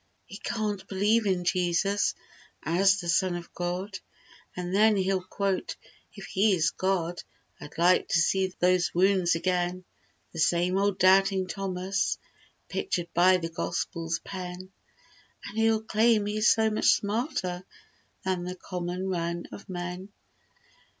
He "can't" believe in Jesus As the Son of God. And then He'll quote "If he is God I'd like To see those wounds again!" The same old doubting Thomas Pictured by the Gospel's pen— An' he'll claim he's so much smarter Than the common run of men.